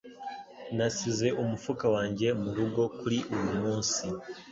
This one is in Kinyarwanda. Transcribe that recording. Nasize umufuka wanjye murugo kuri uriya munsi.